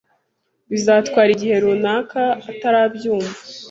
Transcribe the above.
Bizatwara igihe runaka atarabyumva.